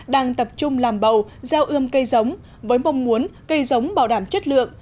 đang tập trung làm bầu gieo ươm cây giống với mong muốn cây giống bảo đảm chất lượng